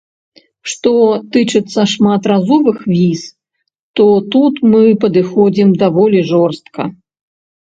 Што тычыцца шматразовых віз, то тут мы падыходзім даволі жорстка.